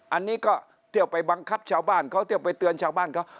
อันนี้ก็เที่ยวไปบังคับชาวบ้านเขาเที่ยวไปเตือนชาวบ้านเขา